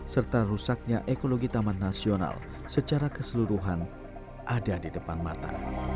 serta rusaknya ekologi taman nasional secara keseluruhan ada di depan mata